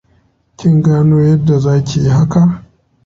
Kin gano yadda zaki yi haka?